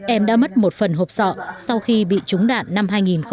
em đã mất một phần hộp sọ sau khi bị trúng đạn năm hai nghìn một mươi